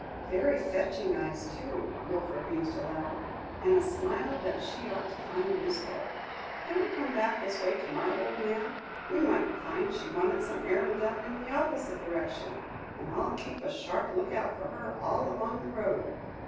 "Very fetching eyes, too," Wilfred mused aloud, "and a smile that she ought to find useful. Can't we come back this way to morrow, old man? We might find she wanted some errand done in the opposite direction, and I'll keep a sharp look out for her all along the road!"